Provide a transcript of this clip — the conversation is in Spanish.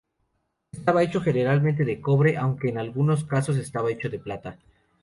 Estaba hecho generalmente de cobre, aunque en algunos casos estaba hecho de plata.